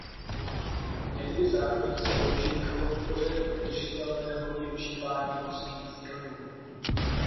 Měly by zároveň sloužit k podpoře udržitelného využívání mořských zdrojů.